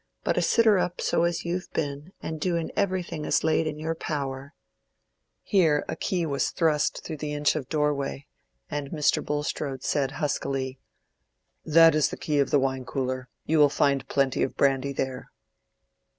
But a sitter up so as you've been, and doing everything as laid in your power—" Here a key was thrust through the inch of doorway, and Mr. Bulstrode said huskily, "That is the key of the wine cooler. You will find plenty of brandy there."